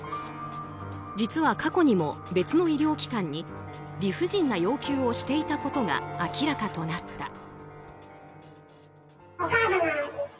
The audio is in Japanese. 実は、過去にも別の医療機関に理不尽な要求をしていたことが明らかとなった。